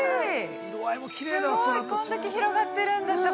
すごい、こんだけ広がってるんだ茶